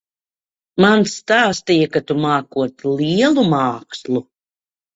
Man stāstīja, ka tu mākot lielu mākslu.